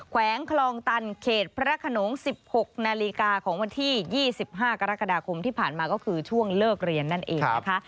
แขวงคลองตันเขตพระขนง๑๖นาฬิกาของวันที่๒๕กรกฎาคมที่ผ่านมาก็คือช่วงเลิกเรียนนั่นเองนะคะ